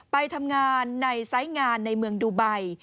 ไปทำงานในไซส์งานในเมืองดูไบ